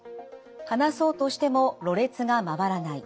話そうとしてもろれつが回らない。